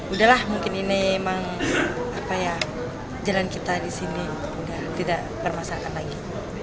udahlah mungkin ini memang jalan kita di sini udah tidak bermasalahkan lagi